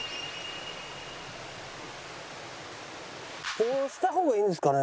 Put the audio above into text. こうした方がいいんですかね？